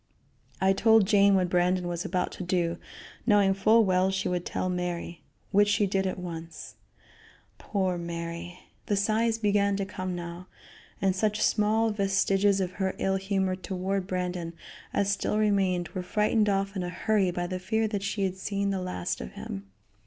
I told Jane what Brandon was about to do, knowing full well she would tell Mary; which she did at once. Poor Mary! The sighs began to come now, and such small vestiges of her ill humor toward Brandon as still remained were frightened off in a hurry by the fear that she had seen the last of him.